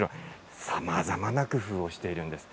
さまざまな工夫をしています。